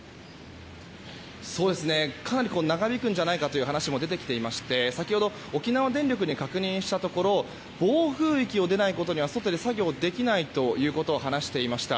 かなり長引くんじゃないかという話も出ていて先ほど、沖縄電力に確認したところ暴風域を出ないことには外で作業できないということを話していました。